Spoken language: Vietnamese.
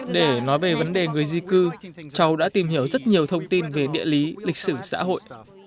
để nói về vấn đề người di cư châu đã tìm hiểu rất nhiều thông tin về địa lý lịch sử xã hội